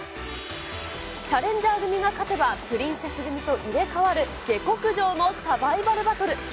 チャレンジャー組が勝てば、プリンセス組と入れ代わる下剋上のサバイバルバトル。